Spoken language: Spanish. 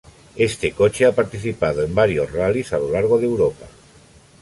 Este coche ha participado en varios rallyes a lo largo de Europa.